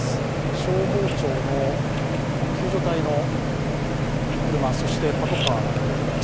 消防庁の救助隊の車、パトカーが見えます。